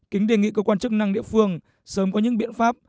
kính đề nghị cơ quan chức năng địa phương sớm có những biện pháp